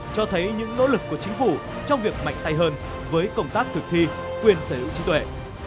cho thấy những nỗ lực của chính phủ trong việc mạnh tay hơn với công tác thực thi quyền sở hữu trí tuệ